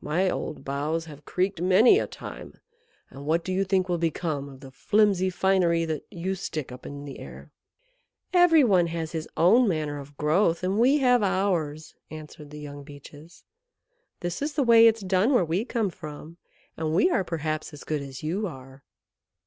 My old boughs have creaked many a time; and what do you think will become of the flimsy finery that you stick up in the air?" "Every one has his own manner of growth, and we have ours," answered the young Beeches. "This is the way it's done where we come from, and we are perhaps as good as you are."